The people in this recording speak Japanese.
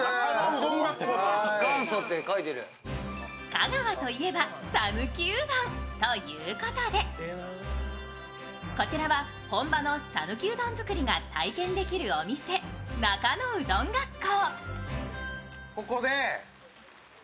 香川といえば、讃岐うどんということで、こちらは本場の讃岐うどん作りが体験できるお店中野うどん学校。